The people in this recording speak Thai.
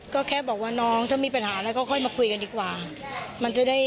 ก็แค่บอกว่าน้องถ้ามีปัญหาก็ค่อยมาคุยกันดีกว่า